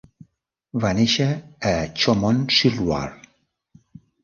Va néixer a Chaumont-sur-Loire.